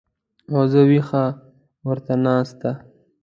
او زه وېښه ورته ناسته